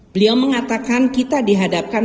beliau mengatakan kita dihadapkan